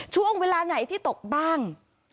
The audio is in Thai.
ช่วงเวลาไหนที่ตกบ้าง